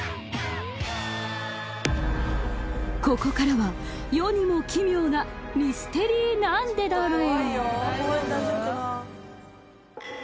ここからは世にも奇妙なミステリーなんでだろう？